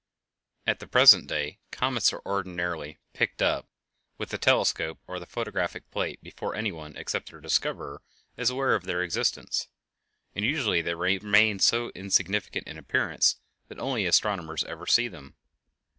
At the present day comets are ordinarily "picked up" with the telescope or the photographic plate before any one except their discoverer is aware of their existence, and usually they remain so insignificant in appearance that only astronomers ever see them.